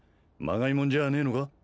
まがいもんじゃねえのか？